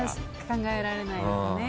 考えられないですね。